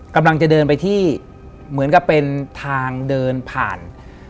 กำลังจะเดินไปที่เหมือนกับเป็นทางเดินผ่าน